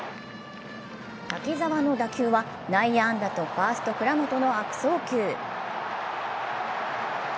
滝澤の打球は内野安打とファースト・倉本の悪送球。